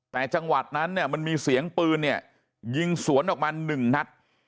แต่จังหวัดนั้นเนี่ยมันมีเสียงปืนเนี่ยยิงสวนออกมา๑นัด